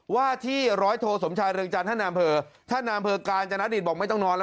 ว่าที่ร้อยโทสมชายเรืองจันทร์ท่านนายอำเภอท่านนามเภกาญจนดิตบอกไม่ต้องนอนแล้ว